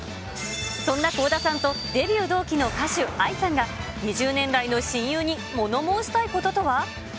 そんな倖田さんとデビュー同期の歌手、ＡＩさんが、２０年来の親友に物申したいこととは？